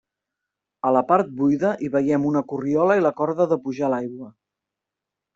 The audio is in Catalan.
A la part buida hi veiem una corriola i la corda de pujar l'aigua.